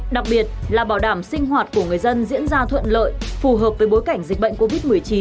đặc biệt là bảo đảm sinh hoạt của người dân diễn ra thuận lợi phù hợp với bối cảnh dịch bệnh covid một mươi chín